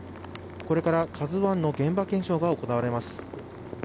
これから「ＫＡＺＵⅠ」の現場検証が行われます。